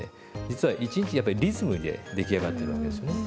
実は一日やっぱりリズムで出来上がってるわけですね。